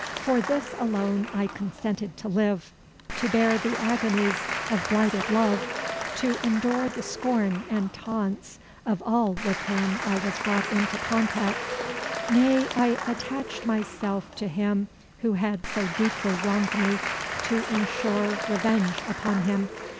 For this alone I consented to live to bear the agonies of blighted love to endure the scorn and taunts of all with whom I was brought into contact. Nay, I attached myself to him who had so deeply wronged me, to ensure revenge upon him.